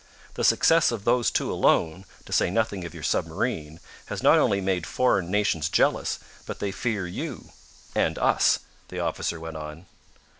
The success of those two alone, to say nothing of your submarine, has not only made foreign nations jealous, but they fear you and us," the officer went on.